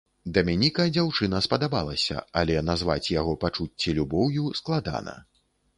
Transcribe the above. Даменіка дзяўчына спадабалася, але назваць яго пачуцці любоўю складана.